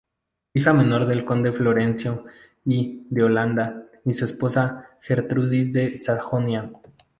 Hija menor del conde Florencio I de Holanda y su esposa Gertrudis de Sajonia.